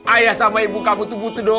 ayah sama ibu kamu tuh butuh doa